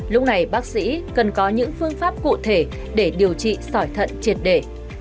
lúc này bác sĩ cần có những phương pháp cụ thể để điều trị sỏi thận triệt đề